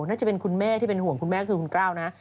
น่าจะเป็นคุณแม่ที่เป็นห่วงคุณแม่คือคุณกล้าวนะ